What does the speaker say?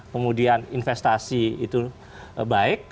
kemudian investasi itu baik